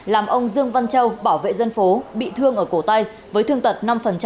làm ông dương văn châu bảo vệ dân phố bị thương ở cổ tay với thương tật năm